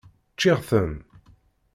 Ččiɣ-ten.